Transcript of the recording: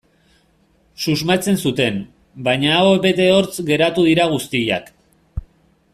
Susmatzen zuten, baina aho bete hortz geratu dira guztiak.